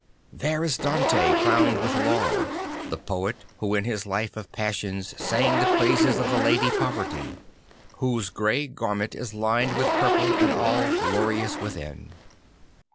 There is Dante crowned \vith laurel, the poet who in his life of passions sang the praises of the Lady Poverty, whose grey garment is lined with purple and all glorious within.